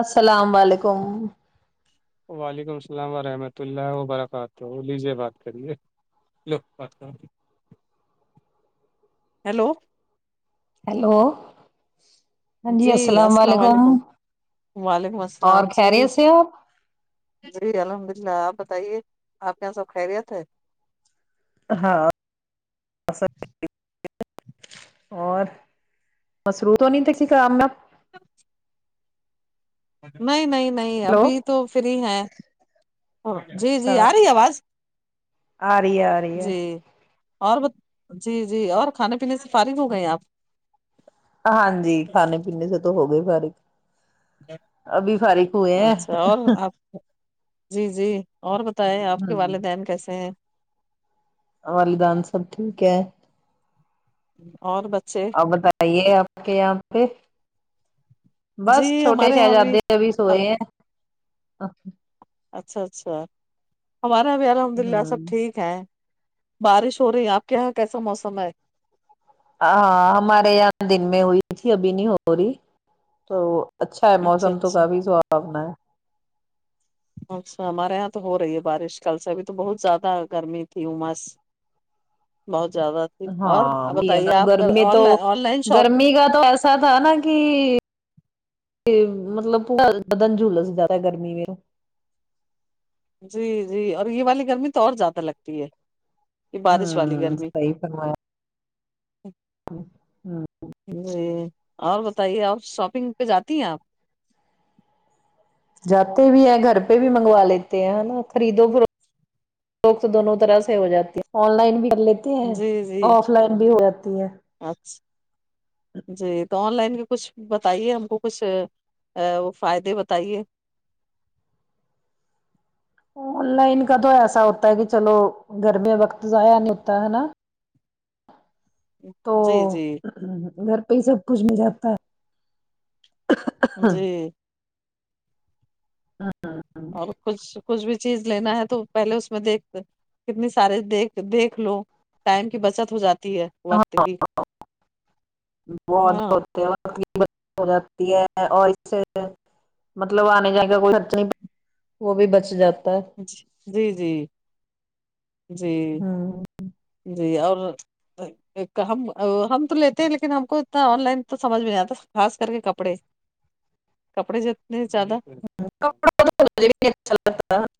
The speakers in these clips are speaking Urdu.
السلام وعلیکم وعلیکم السلام ورحمۃ اللہ وبرکاتہ لیجیے بات کریے لو بات کرو ہیلو ہیلو ہاں جی السلام علیکم وعلیکم اور السلام جی خیریت سے ہو جی الحمد اللہ آپ بتائیے آپ کے یہاں سب خیریت ہے ہاں [unintelligible] اور مصروف تو نہیں تھےکسی کام میں آپ نہیں نہیں نہیں ہیلو ابھی تو فری ہیں جی جی اچھا آ رہی ہے آواز آ رہی ہے آرہی ہے جی اور بت جی جی اور کھانے پینے سے فارغ ہو گئے ہیں آپ ہاں جی کھانے پینے سے تو ہو گئے فارغ ابھی فارغ ہوئے ہیں اچھا اور آپ جی جی اور بتایں آپ کے ہوں، والدین کیسے ہیں والدین سب ٹھیک ہے اور بچے آپ بتائیں آئیے آپ کے یہاں پہ جی بس چھوٹے ہمارے یہاں بھی شہزادے چب ہی سوئے ہیں ا اچھا اچھا ہمارے یہاں بھی الحمد للہ سب ٹھیک ہے بارش ہو رہی آپ کے یہاں کیسا موسم ہے ہاں ہمارے یہاں دن میں ہوئی تھی ابھی نہیں ہو رہی تو اچھا ہے موسم تو کافی سھانا ہے اچھا ہمارے یہاں تو ہو رہی ہے بارش کل سے ابھی تو بہت زیادہ گرمی تھی عمس بہت زیادہ اور اب بتائیے ہاں آپ کا گرمی آن تو لائن آن لائن شاپ گرمی کا تو ایسا تھا نا کہ مطلب پورا بدن جولس جا تا ہے گرمی میں جی جی اور یہ والی گرمی تو اور زیادہ لگتی ہے یہ بارش والی ہوں گرمی صحیح فرمایا ہوں جی اور بتائیے آپ شاپنگ پہ جاتی ہیں آپ جاتتے بھی ہیں گھر پہ بھی منگوا لیتے ہیں نہ خریدو فرو خت ایک تو دونوں طرح سے ہو جاتی ہیں آن لائن بھی کر لیتے ہیں جی جی آف لائن بھی ہو جاتی ہے اچھا جی تو آن لائن کے کچھ بتائیے ہم کو کچھ فائدے بتائیے آن لائن کا تو ایسا ہوتا ہے کہ چلو گھر میں وقت ضائع نہیں ہوتا ہے نا تو جی جی گھر پہ ہی سب کچھ مل جاتا ہے جی ہاں اور کچھ کچھ بھی چیز لینا ہے تو پہلے اس میں دیکھتے ہیں کتنی سارے دیکھ دیکھ لو ٹائم کی بچت ہو جاتی ہے ہاں وقت کی بہت بہت ہاں [unintelligible] ت ہو جاتی ہے اور اس [unintelligible] مطلب آنے جانے کا کوئی خرچ ہی نہیں وہ بھی بچ بچ جاتا ہے جی جی جی ہوں جی اور ہم ہم تو لیتے ہیں لیکن ہم کو اتنا آن لائن تو سمجھ میں نہیں آتا خاص کر کے کپڑے کپڑے جتنے زیادہ اچھا لگتاا [inaudible] [inaudible]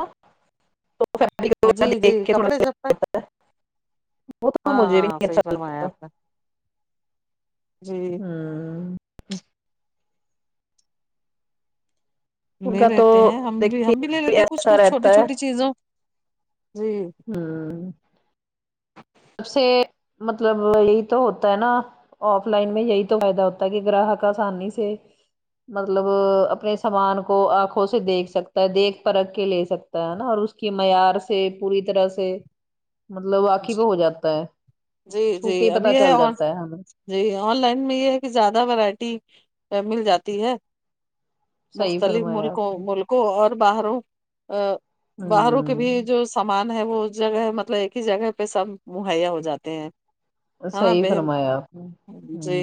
ہاں جی جی کپڑے جب تک وہ تو ہاں مجھے بھی ہاں نہیں اچھا صحیح فرمایا لگتا آپ نے جی ہوں ان لے کا تو لیتے ہیں ہم بھی دیکھیے ہم بھی لے لیتے کچھ ایسا کچھ چھوٹی رہتا ہے چھوٹی چیزوں جی ہوں سے مطلب یہی تو ہوتا ہے نا آف لائن میں یہی تو فائدہ ہوتا ہے کہ گراہک آسانی سے مطلب اپنے سامان کو آنکھوں سے دیکھ سکتا ہے دیکھ پرکھ کے لے سک تا ہے نا اور اس کے معیار سے پوری طرح سے مطلب واقیب جی ہو جاتا ہے جی چھو جی کے اب پتا یہ چل اور جاتا ہے ہمیں جی آن لائن میں یہ ہے کہ زیادہ ورائٹی مل جاتی ہے صحیح مختلف فرمایا ملکوں آپ نے ملک کو اور باہروں باہروں کے بھی جو سامان ہے وہ اس جگہ مطلب ایک ہی جگہ پہ سب مہیا ہو جاتے ہیں ہ ہاں صحیح بہن فرمایا آپ نے جی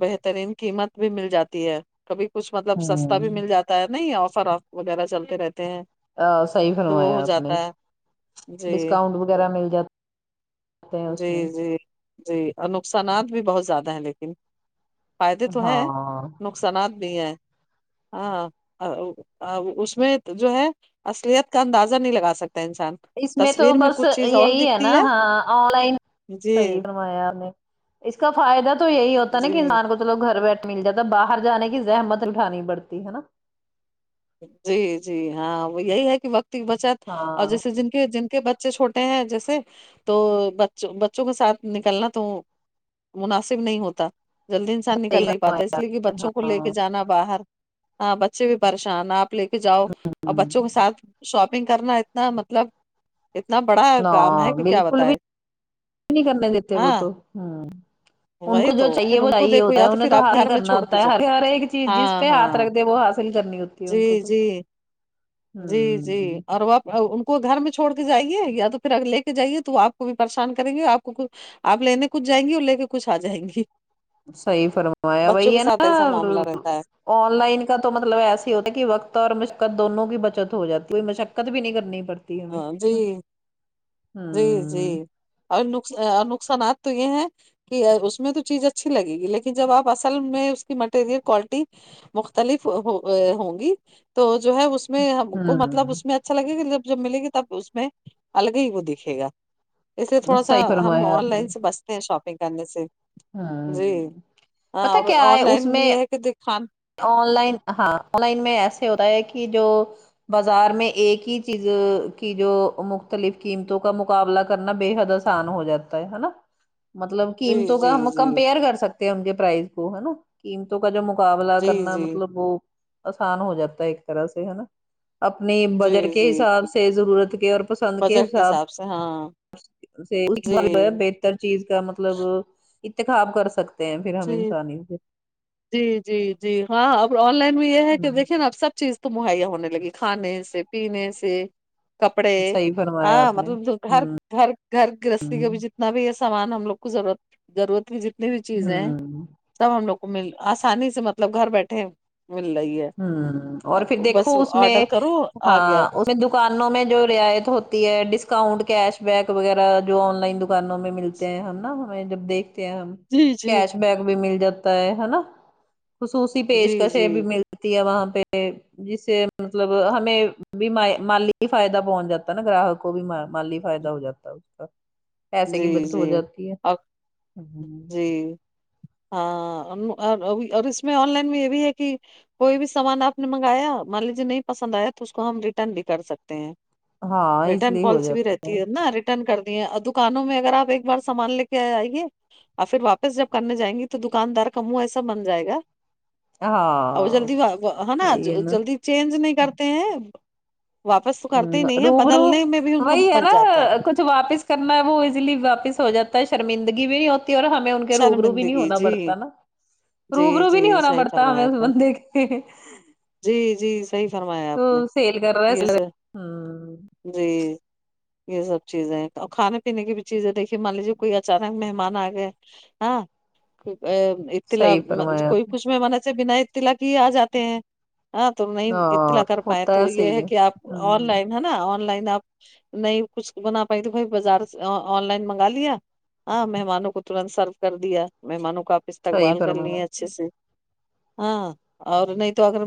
بہترین قیمت بھی مل جاتی ہے کبھی کچھ مطلب ہ سستا بھی مل جاتا ہے نہ آفر آ وغیرہ چلتے رہتے ہیں ا صحیح تو وہ فرمایا ہو آپ نے جاتا ہے جی ڈسکاؤنٹ وغیرہ مل جات جی جی جی اور نقصانات بھی بہت زیادہ ہیں لیکن فائدے تو ہیں ہاں نقصانات بھی ہیں ہاں اس میں جو ہے اصلیت کا اندازہ نہیں لگا سکتا انسان اس میں تو تصویر بس کچھ چیز اور یہی ہے دکھتی نا ہاں آن لائن جی صحیح ا ہم اس کا فائدہ تو یہی ہوتا نا جی کہ انسان کو چلو گھر بیٹھ مل جا باہر جانے کی زحمت اٹھانی پڑتی ہے نا جی جی ہاں وہ یہی ہے کہ وقت کی بچت اور ہاں جیسے جن کے جن کے ب چے چھوٹے ہیں جیسے تو بچ بچوں کے ساتھ نکلنا تو مناسب نہیں ہوتا جلدی انسان صحیح نکل نہیں فرمایا پاتا اس لیے کہ بچوں کو لے کے ہاں جانا باہر ہاں بچے بھی پریشان آپ لے کے جاؤ اور بچوں کے ساتھ شاپنگ کرنا اتنا مطلب اتنا بڑا کام ہے ہاں کہ کیا بالکل بھی بتائے ہاں ہاں ان وہی کو تو جو پھر چاہیے وہ ان کو چاہیے دیکھو ہوتا ہے یا انہیں پھر تو آپ حاصل گھر میں کرنا چھوڑ کے ہوتا جا ہے ہر ایک چیز جس ہاں پہ ہاتھ ہاں رکھ دے وہ حاصل کرنی ہوتی ہے ان کو جی تو جی جی جی ہوں اور وپ ان کو گھر میں چھوڑ کے جائیے یا تو پھر اگر لے کے جائیے تو آپ کو بھی پریشان کریں گے آپ کو آپ لینے کچھ جائیں گی اور لے کے کچھ آ جائیں گی صحیح فرمایا بچوں وہی کے ہے ساتھ نا ایسا معاملہ رہتا ہے آن لائن کا تو مطلب ایسے ہی ہوتا ہے کہ وقت اور مشقت دونوں کی بچت ہو جاتی کوئی مشقت بھی نہیں کرنی پڑ ہاں جی جی جی ہوں اور نق نقصانات تو یہ ہیں کہ اس میں تو چیز اچھی لگ گی لیکن جب آپ اصل میں اس کی مٹیریل کوالٹی مختلف ہوں گی تو جو ہے اس اس میں ہم کو مطلب اس ہوں میں اچھا لگے گا جب جب ملے گی تب اس میں الگ ہی وہ دکھے گا اس لیے تھوڑا سا صحیح ہم فرمایا آن آپ نے لائن سے بچتے ہیں شاپنگ کرنے سے جی ہوں ہاں پتا اور کیا آن ہے اس لائن میں یہ ہے کہ دکان آن لائن ہاں آن لائن میں ایسے ہوتا ہے کہ جو بازار میں ایک ہی چیز کی جو مختلف قیمتوں کا مقابلہ کرنا بے حد آ سان ہو جاتا ہے ہےنا مطلب جی قیمتوں جی کا ہم جی کمپیئر کر سکتے ہیں ان کے پرائز کو ہے نا قیمتوں کا جو مقابلہ جی کرنا جی مطلب وہ آسان ہو جاتا ہے ایک طرح سے ہے نا اپنی بجٹ کے جی حساب جی سے ضرورت کے اور پسند کے حساب سے ہاں جی بہتر چیز کا مطلب انتخاب کر سک جی جی جی جی ہاں اب آن لائن بھی یہ ہے کہ ہ دیکھے نا اب سب چیز تو مہیا ہونے لگی کھانے سے پینے سے کپڑے صحیح فرمایا ہاں آپ نے مطلب ہر گھر گھر گرہستی کا بھی جتنا بھی یہ سامان ہم لوگ کو ضرورت ضرورت بھی جتنی بھی ہ چیزیں ہیں ہ سب ہم لوگ کو مل آسانی سے مطلب گھر بیٹھے مل رہ ہی ہے ہوں اور پھر اب بس دیکھو اس میں آڈر کرو آ گیا ہاں میں دکانوں میں جو رعایت ہوتی ہے ڈسکاؤنٹ کیش بیک وغیرہ جو آن لائن دکانوں میں مل تے ہیں ہم نا ہمیں جب دیکھتے ہیں ہم جی جی کیش بیک بھی مل جاتا ہے ہے نا خصوصی جی پیشکشیں جی بھی مل تی ہے وہاں پہ جس سے مطلب ہمیں بھی مالی ہی فائدہ پہنچ جاتا ہے نا گراہک کو بھی ما مالی فائدہ ہو جاتا ہے اس کا پیسے کی جی بچت ہو جی جاتی ہے اور جی ہاں ا م ار اور اس میں آن لائن میں یہ بھی ہے کہ کوئی بھی سامان آپ نے منگایا مان لیجیے نہیں پسند آیا تو اس کو ہم ریٹرن بھی کر سک تے ہیں ہاں اس رٹرن لیے ہو پالیسی بھی جاتا رہتی ہے نا ریٹرن کر دیا اد دکانوں میں اگر آپ ایک بار سامان لے کے آئیے اور پھر واپس جب کرنے جائیں گی تو دکاندار کا منہ ایسا بن جائے گا ہے، ا وہ ہاں جلدی ہے نا وہی ہے جلدی چینج نہیں کرتے ہیں واپس تو ہوں کرتے ہی نہیں ہے روبرو بدلنے میں بھی ان کا وہی من ہے بچ نا جاتا کچھ واپس کرنا ہے وہ ازلی واپس ہواتا ہے شرمندگی بھی نہیں تی ہے اور ہمیں ان کے روب رو بھی نہیں شرمندگی ہونا جی پڑتا نا جی روبرو بھی جی نہیں ہونا صحیح پڑتا فرمایا ہمیں اس آپ نے بندے کے جی جی صحیح فرمایا تو آپ نے سیل کر رہا یہ ہے سر ہ جی یہ سب چیزیں تو کھانے پینے کی بھی چیزیں دیکھیے مان لیجے کوئی اچانک مہمان آ گئے ہاں ا اطلاع صحیح فرمایا کوئی کچھ مہمان سے بنا اطلاع کیے آ جاتے ہیں ہاں تو نہیں ہاں اطلاع کر پائے ہوتا تو یہ صحیح ہے کہ آپ ہ آن لائن ہے نا آن لائن آپ نہیں کچھ بنا پائی تو بھائی بازار سے آن لائن منگا لیا ہاں مہمانوں کو تو ترنت سرو کر دیا مہمانوں کا آپ صحیح استقبال کر فرمایا لیے اچھے سے ہاں اور نہیں تو اگر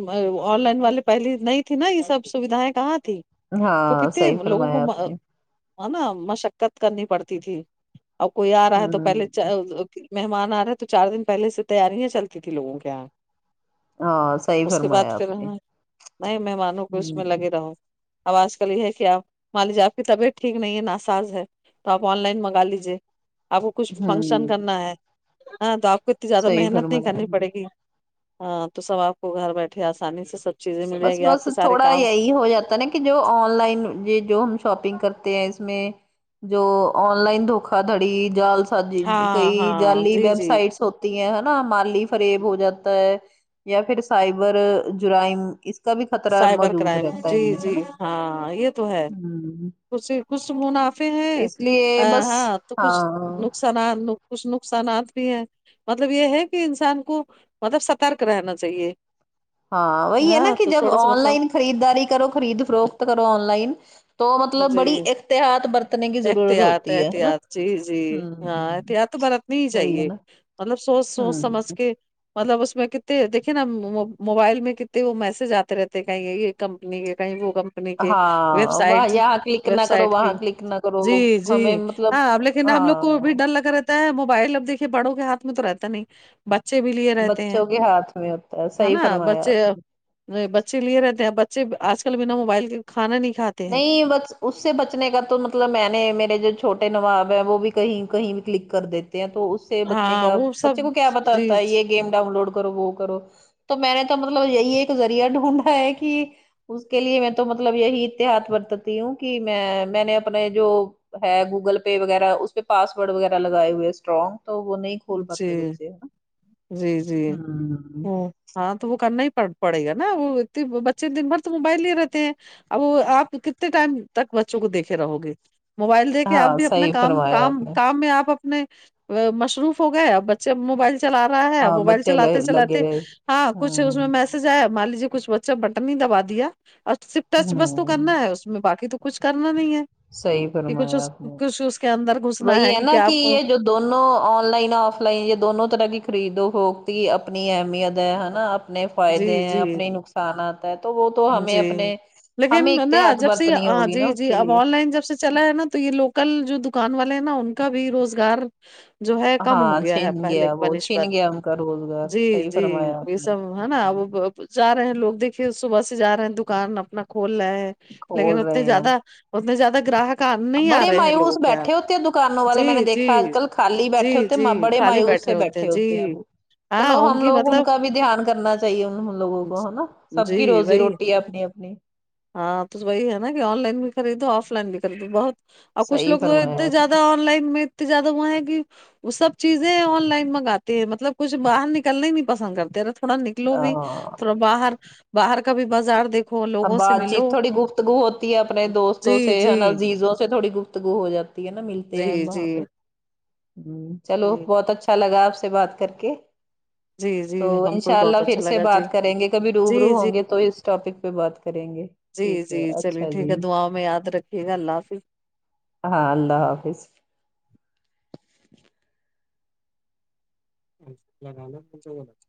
آن لائن والے پہلے نہیں تھی نا یہ سب سویدھائیں کہاں تھی تو ہاں کتنے صحیح لوگوں کو فرمایا ما آپ نے ہے نا مشقت کرنی پڑتی تھی اور کوئی آ رہا ہے تو ہ پہلے چا- مہمان آ رہے ہے تو چار دن پہلے سے تیاریاں چلتی تھی لوگوں کے یہاں ہاں صحیح اس کے فرمایا بعد پھر آپ نے نئے مہمانوں کو اس میں ہ لگے رہو اب آج کل یہ ہے کہ آپ مان لیجیے آپ کی طبیعت ٹھیک نہیں ہے ناساز ہے تو آپ آن لائن منگا لیجے کچھ ہ فنکشن کرنا ہے ہاں تو آپ کو اتنی زیادہ صحیح محنت نہیں فرمایا آپ کرنی نے پڑے گی ہاں تو سب آپ کو گھر بیٹھے آسانی سے سب چیزیں مل جائے بس گی آپ بس کے سارے تھوڑا کام یہی ہو جاتا نا کہ جو آن لائن یہ جو ہم شاپنگ کرتے ہیں اس میں جو آن لائن دھوکا دڑی جال سازی ہاں کئی ہاں جالی جی ویب جی سائٹس ہو ہیں نا مالی فریب ہو جاتا ہے یا پھر سائبر جرائم اس کا بھی خطرہ سائبر موجود کرائم رہتا ہے جی ان میں ہے جی نا ہاں یہ تو ہے ہوں کچھ کچھ منافے ہیں اس لیے بس ہاں تو کچھ ہاں نقص تنانو کچھ نقصانات بھی ہیں مطلب یہ ہے کہ انسان کو مطلب سترک رہنا چاہیے ہاں وہی ہے نا کہ تو جب تھوڑا سا آن مطلب لائن خریداری کرو خرید فروخت کرو آن لائن تو مطلب جی بڑی احتیاط برتنے کی ضرورت احتیاط ہوتی ہے ہے نا احتیاط ہوں نہیں وہی ہے چاہیے نا مطلب سوچ سوچ سمجھ ہوں کے مطلب اس میں کتے دیکھے نا مو موبائل میں کنے وہ میسج آتے رہتے ہیں کہیں یہ یہ کمپنی کے کہیں وہ کمپنی کے ویب ہاں واہ سائٹس یہاں کلک نہ ویب کرو سائٹ کی وہاں کلک نہ کرو جی جی ہمیں مطلب ہاں لیکن ہم لوگ کو وہ بھی ہاں ڈر لگا رہتا ہے موبائل اب دیکھیے بڑوں کے ہاتھ میں تو رہتا نہیں بچے بھی لیے رہتے ہیں بچوں کے ہاتھ میں ہوتا ہے صحیح نا فرمایا بچے آپ نے اب نہیں بچے لیے رہتے ہیں بچے آج کل بنا موبائل کے کھانا نہیں کھاتے ہیں نہیں بچ اس سے بچنے کا تو مطلب میں نے میرے جو چھوٹے نواب ہیں وہ بھی کہیں کہیں کلک کر دیتے ہیں تو اس سے بچنے ہاں کا وہ سب بچے کو کیا جی بتاتا ہے یہ گیم ڈاؤن لوڈ کرو وہ کرو تو میں نے تو مطلب یہی ایک ذریعہ ڈھونڈا ہے کہ اس کے لیے میں تو مطلب یہی ہاتھ برتتی ہوں کہ میں میں نے اپنے جو ہے گوگل پے وغیرہ اس پہ پاسورڈ وغیرہ لگائے ہوئے اسٹرانگ تو وہ نہیں کھول جی پاتے بچے ہوں جی جی او ہاں تو وہ کرنا ہی پ پڑے گا نا وہ اتے بچے دن بھر تو موبائل ہی رہتے ہیں اب وہ آپ کتنے ٹائم تک بچوں کو دیکھے رہو گے موبائل دے کے آپ ہاں بھی اپنا صحیح کام فرمایا آپ کام نے کام میں آپ اپنے مصروف ہو گئے اب بچے موبائل چلا رہا ہے ہاں موبائل بچے چلاتے لگے چلاتے رہے ہاں کچھ اس میں ہوں میس یج آیا مان لیجیے کچھ بچا بٹن ہی دبا دیا اور صرف ٹچ بس تو ہوں کرنا ہے اس میں باقی تو کچھ کرنا نہیں ہے صحیح کہ کچھ فرمایا اس آپ نے کچھ اس کے اندر گھسنا وہی ہے نا کیا کہ آپ کو یہ جو دونوں آن لائن آف لائن یہ دونوں طرح کی خریدو ہوتی اپنی اہمیت کیا ہے نا اپنے جی فائدے ہیں جی اپنے نقصانات ہوتے ہیں تو وہ تو ہمیں جی اپنے لیکن ہمیں نا احتیط جب سے یہ برتنی ہاں ہوگی نا جی اس جی کے اب لیے آن لائن جب سے چلا ہے نا تو یہ لوکل جو دکان والے ہیں نا ان کا بھی روزگار جو ہے کم ہاں ہو گیا ہے چھن پہلے کی وہ بہ نسبت چھن گیا ان کا روزگار جی صحیح جی فرمایا یہ آپ نے سب ہے نا ہم، اب ا جا رہے ہیں لوگ دیکھیے صبح سے جا رہے ہیں دکان اپنا کھول رہے ہیں کھول لیکن رہے اتنے ہیں زیادہ اتنے زیادہ گراہک آ- نہیں آ بڑے رہے ہیں مایوس لوگوں کے یہاں بیٹھے ہوتے دکانوں والے میں نے جی دیکھا جی آنکل خالی جی بیٹھے ہوتے جی بڑے خالی مایوس سے بیٹھے بی ٹھے ہوتے ہیں جی وہ ہاں چلو ہم کی لوگ ان مطلب کا بھی دھیان کرنا چاہیے ان ہم لوگوں کو ہے نا سب جی کی روزی وہی روٹی ہے اپنی اپنی ہاں تو وہی ہے نا کہ آن لائن بھی خریدو آف لائن بھی خریدو بہت اور کچھ صحیح لوگ تو فرمایا اتنے آپ نے۔ زیادہ آن لائن میں اتنے زیادہ وہ ہے کہ وہ سب چیزیں آن لائن منگاتے ہیں مطلب کچھ باہر نکلنے نہیں پسند کرتے تھوڑا نکلو بھی ہاں تھوڑا باہر باہر کا بھی بازار دیکھ اب بات چیت تھوڑی گفتگو ہوتی ہے اپنے دوستوں سے جی جی ہے نا عزیزوں سے تھوڑی گفت تو ہو جاتی ہے نا ملتے جی ہیں جی وہاں پہ ہمم چلو جی بہت اچ ھا لگا آپ سے بات کر کے جی جی تو ہم کو بھی انشاء اللہ بہت اچھا پھر سے لگا جی بات کریں گے کبھی روبرو جی جی ہوں گے تو اس ٹاپک پہ بات کریں گے جی ٹھیک ہے جی چلیے اچھا ٹھیک جی ہے دعاؤں میں یاد رکھیے گا اللہ حافظ ہاں اللہ حافظ [inaudible]